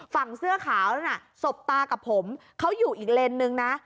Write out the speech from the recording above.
ฝั่งเสื้อขาวนั้นน่ะสบตากับผมเขาอยู่อีกเลนส์นึงนะ